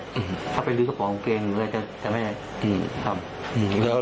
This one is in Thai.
าไปรื้อสะปอร์องเกงเลยจะไม่ได้ทำ